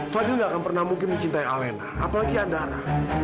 fadil nggak akan pernah mungkin mencintai alena apalagi andara